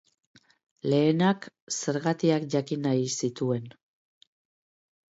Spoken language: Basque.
Lehenak zergatiak jakin nahi zituen.